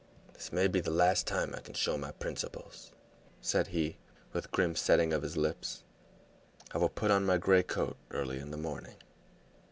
"This may be the last time I can show my principles," said he, with grim setting of his lips. "I will put on my gray coat early in the morning."